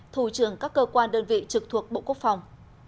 thủ trưởng các cơ quan đơn vị trực thuộc bộ quốc phòng